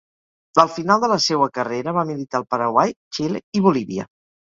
Al final de la seua carrera va militar al Paraguai, Xile i Bolívia.